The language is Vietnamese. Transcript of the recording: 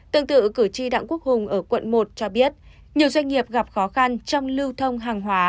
tương tự cử tri đặng quốc hùng ở quận một cho biết nhiều doanh nghiệp gặp khó khăn trong lưu thông hàng hóa